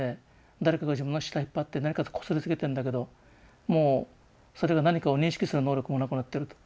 誰かが自分の舌引っ張って何かこすりつけてんだけどもうそれが何かを認識する能力もなくなってると。